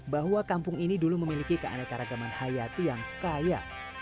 bahwa kampung ini dulu memiliki keanekaragaman hayati yang kaya